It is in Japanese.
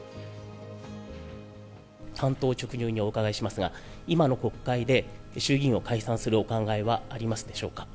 単刀直入にお伺いしますが、今の国会で、衆議院を解散するお考えはありますでしょうか。